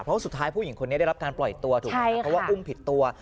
เพราะสุดท้ายผู้หญิงคนนี้ได้รับการปล่อยตัวถูกไหมครับเพราะว่าอุ้มผิดตัว